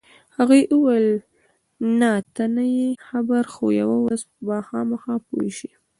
هغې وویل: نه، ته نه یې خبر، خو یوه ورځ به خامخا پوه شې.